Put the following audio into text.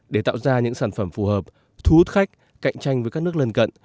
để tạo ra những sản phẩm phù hợp thu hút khách cạnh tranh với các nước lân cận